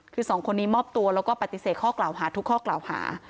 คือ๒คนนี้มอบตัวแล้วก็ปฏิเสธทุกข้อกล่าวหา